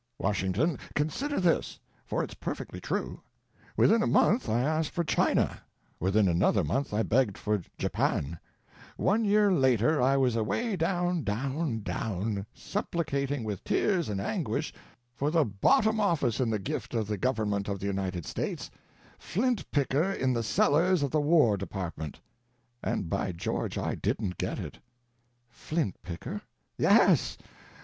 Washington, consider this—for it's perfectly true—within a month I asked for China; within another month I begged for Japan; one year later I was away down, down, down, supplicating with tears and anguish for the bottom office in the gift of the government of the United States—Flint Picker in the cellars of the War Department. And by George I didn't get it." "Flint Picker?" "Yes.